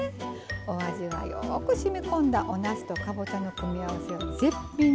お味はよくしみこんだおなすとかぼちゃの組み合わせは絶品です。